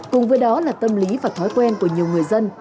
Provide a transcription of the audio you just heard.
cùng với đó là tâm lý và thói quen của nhiều người dân